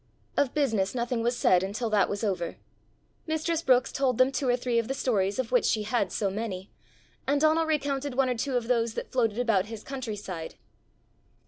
Of business nothing was said until that was over. Mistress Brookes told them two or three of the stories of which she had so many, and Donal recounted one or two of those that floated about his country side.